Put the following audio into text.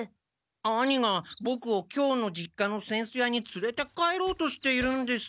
兄がボクを京の実家の扇子屋につれて帰ろうとしているんです。